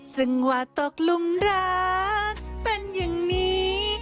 จังหวะตกลุมรักเป็นอย่างนี้